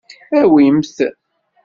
Awim-t.